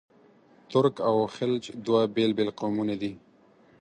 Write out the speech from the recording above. ترک او خلج دوه بېل بېل قومونه دي.